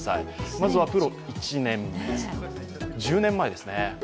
まずはプロ１年目、１０年前ですね。